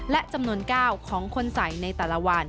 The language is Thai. และจำนวน๙ของคนใส่ในแต่ละวัน